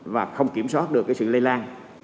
và không kiểm soát được cái sự lây lan